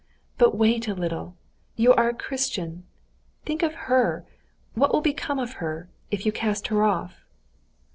"But wait a little! You are a Christian. Think of her! What will become of her, if you cast her off?"